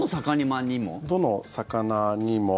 どの魚にも？